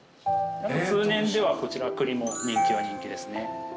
通年ではこちら栗も人気は人気ですね。